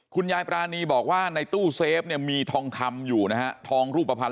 คุณยายปรานีบอกว่าในตู้เซฟเนี่ยมีทองคำอยู่นะฮะทองรูปภัณฑ